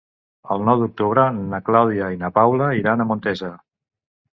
El nou d'octubre na Clàudia i na Paula iran a Montesa.